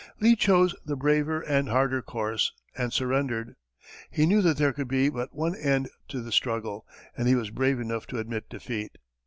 Lee chose the braver and harder course, and surrendered. He knew that there could be but one end to the struggle, and he was brave enough to admit defeat.